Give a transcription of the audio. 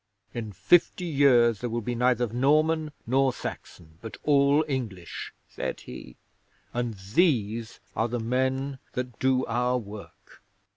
In fifty years there will be neither Norman nor Saxon, but all English," said he, "and these are the men that do our work!"